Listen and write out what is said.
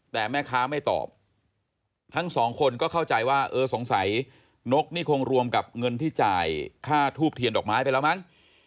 แต่แม่ค้าไม่ตอบทั้งสองคนก็เข้าใจว่าเออสงสัยนกนี่คงรวมกับเงินที่จ่ายค่าทูบเทียนดอกไม้ไปแล้วมั้ง